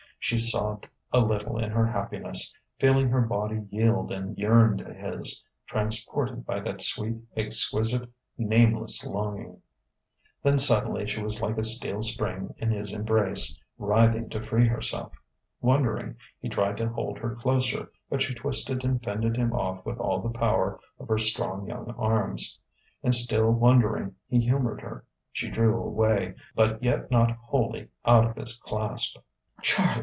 She sobbed a little in her happiness, feeling her body yield and yearn to his, transported by that sweet, exquisite, nameless longing.... Then suddenly she was like a steel spring in his embrace, writhing to free herself. Wondering, he tried to hold her closer, but she twisted and fended him off with all the power of her strong young arms. And still wondering, he humoured her. She drew away, but yet not wholly out of his clasp. "Charlie!"